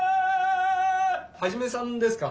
ハジメさんですか？